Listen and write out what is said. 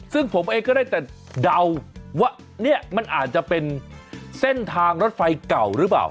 ซึ่งผมเองก็ได้แต่เดาว่าเนี่ยมันอาจจะเป็นเส้นทางรถไฟเก่าหรือเปล่า